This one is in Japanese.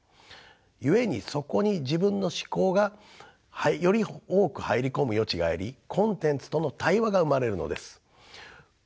故にそこに自分の思考がより多く入り込む余地がありコンテンツとの対話が生まれるのです。